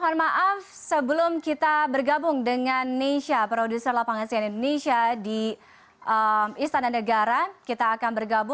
nisha selamat malam